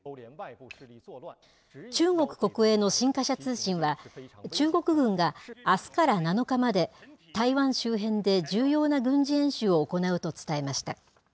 中国国営の新華社通信は、中国軍があすから７日まで、台湾周辺で重要な軍事演習を行うと伝えました。